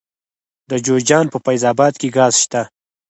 د جوزجان په فیض اباد کې ګاز شته.